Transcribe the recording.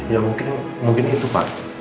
ya mungkin itu pak